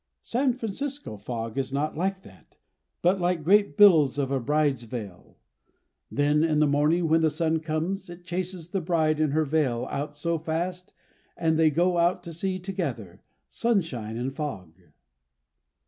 San Francisco fog is not like that, but like great billows of a bride's veil. Then in the morning when the sun comes it chases the bride and her veil out so fast, and they go out to sea together, sunshine and fog.